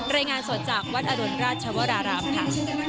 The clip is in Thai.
รายงานสดจากวัดอรุณราชวรารามค่ะ